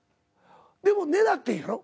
でも狙ってんやろ？